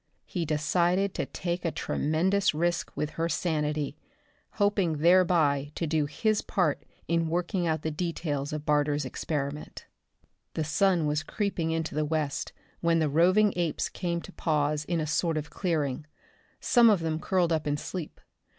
He decided to take a tremendous risk with her sanity, hoping thereby to do his part in working out the details of Barter's experiment. The sun was creeping into the west when the roving apes came to pause in a sort of clearing. Some of them curled up in sleep.